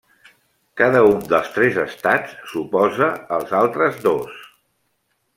Cada un dels tres estats s'oposa als altres dos.